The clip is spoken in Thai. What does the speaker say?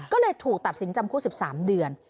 ก็เลยถูกตัดสินจำคุก๑๓เดือน